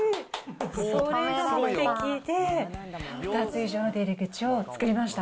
それが目的で、２つ以上の出入り口を作りました。